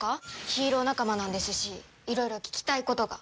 ヒーロー仲間なんですしいろいろ聞きたいことが。